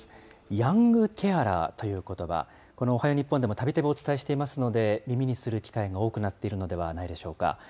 ヤングケアラーということば、このおはよう日本でもたびたびお伝えしていますので、耳にする機会も多くなっているのではないでしょうか。